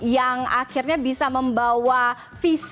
yang akhirnya bisa membawa visi